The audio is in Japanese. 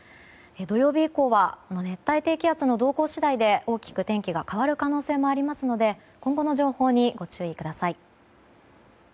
土曜日以降は熱帯低気圧の動向次第で大きく天気が変わる可能性もありますので今後の情報にご注意ください。